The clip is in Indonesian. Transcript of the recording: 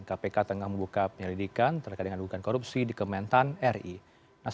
kpk tengah membuka penyelidikan terkait dengan dugaan korupsi di kementan ri